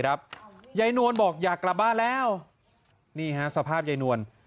ยายนวลบอกอยากกลับบ้านแล้วนี่ฮะสภาพยายนวล